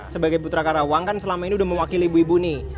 sebagai putra karawang kan selama ini udah mewakili ibu ibu nih